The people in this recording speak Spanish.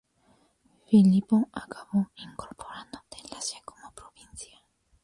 Filipo acabó incorporando Tesalia como provincia.